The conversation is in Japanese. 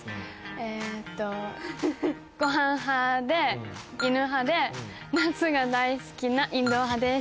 えとご飯派で犬派で夏が大好きなインドア派です